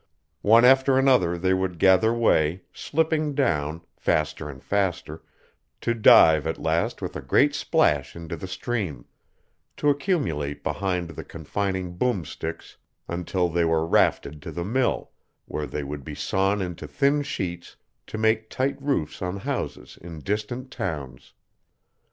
One after another they would gather way, slipping down, faster and faster, to dive at last with a great splash into the stream, to accumulate behind the confining boom sticks until they were rafted to the mill, where they would be sawn into thin sheets to make tight roofs on houses in distant towns.